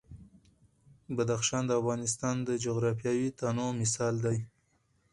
بدخشان د افغانستان د جغرافیوي تنوع مثال دی.